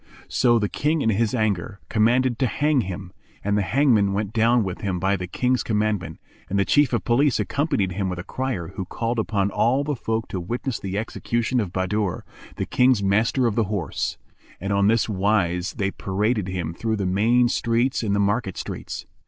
"[FN#391] So the King in his anger, commanded to hang him; and the hangman went down with him by the King's commandment, and the Chief of Police accompanied him with a crier who called upon all the folk to witness the execution of Bahadur, the King's Master of the Horse; and on this wise they paraded him through the main streets and the market streets.